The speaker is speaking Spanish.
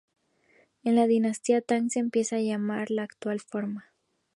En la dinastía Tang se empieza a llamar de la actual forma.